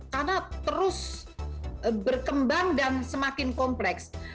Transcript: karena terus berkembang dan semakin kompleks